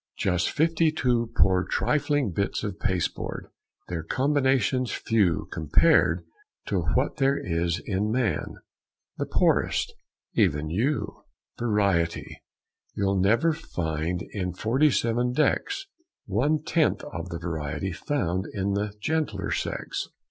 "Just fifty two Poor trifling bits of pasteboard! their combinations few Compared to what there is in man! the poorest! even you! "Variety! You'll never find in forty seven decks One tenth of the variety found in the gentler sex.